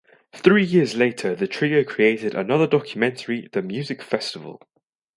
Three years later the trio created another documentary "The Music Festival".